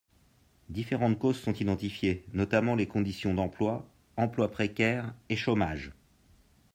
Différentes causes sont identifiées, notamment les conditions d’emploi, emploi précaire et chômage.